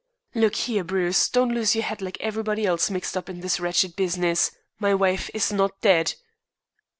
"Look here, Bruce. Don't lose your head like everybody else mixed up in this wretched business. My wife is not dead."